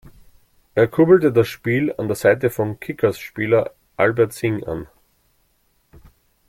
Er kurbelte das Spiel an der Seite von Kickers-Spieler Albert Sing an.